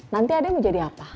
nanti adek mau jadi apa